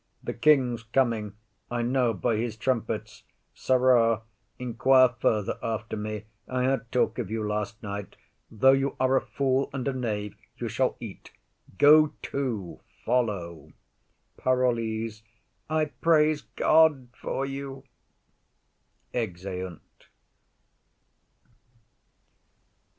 _] The king's coming; I know by his trumpets. Sirrah, inquire further after me. I had talk of you last night; though you are a fool and a knave, you shall eat. Go to; follow. PAROLLES. I praise God for you. [_Exeunt.